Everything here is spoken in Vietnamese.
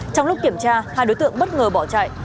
trong lúc kiểm tra hai đối tượng bất ngờ bỏ chạy